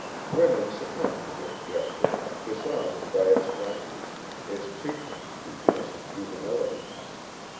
Women succumbed to this gesture, disarmed by its frankness, its pretense to innocent juvenility.